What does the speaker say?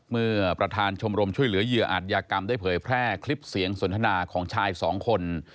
เมื่อประธานชมรมช่วยเหลือเหยื่ออาจยากรรมได้เผยแพร่คลิปเสียงสนทนาของชายสองคน